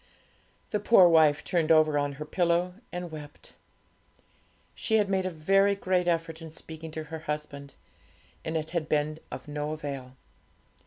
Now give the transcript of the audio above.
The poor wife turned over on her pillow and wept. She had made a very great effort in speaking to her husband, and it had been of no avail.